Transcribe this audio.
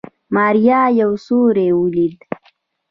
ماريا يو سيوری وليد.